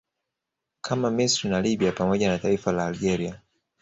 kama Misri na Libya pamoja na taifa la Algeria